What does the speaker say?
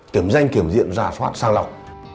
kiểm danh kiểm diện ra soát sang lọc